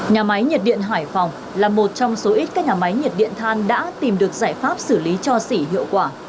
nhà máy nhiệt điện hải phòng là một trong số ít các nhà máy nhiệt điện than đã tìm được giải pháp xử lý cho xỉ hiệu quả